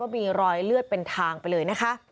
มีหลอยเลือดเป็นทางไปเลย